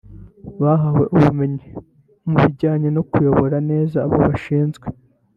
Bahawe ubumenyi mu bijyanye no kuyobora neza abo bashinzwe